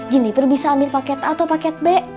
jeniper bisa ambil paket a atau paket b